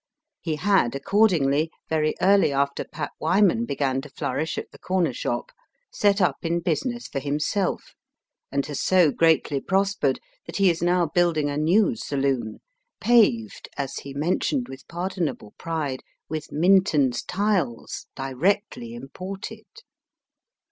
He had accordingly, very early after Pap Wyman began to flourish at the corner shop, set up in business for himself, and has so greatly prospered that he is now building a new saloon, paved, as he mentioned with pardonable pride, with Minton's tiles, directly imported.